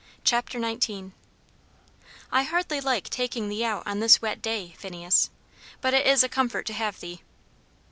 CHAPTER XIX "I hardly like taking thee out this wet day, Phineas but it is a comfort to have thee."